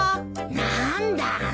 なーんだ。